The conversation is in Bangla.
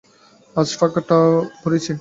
আজ ফাঁকটা ভরিয়েছি।